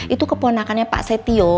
itu keponakannya pak setio